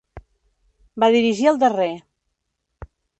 Va dirigir el darrer.